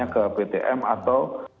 ke ptm atau